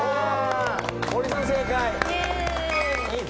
堀さん、正解！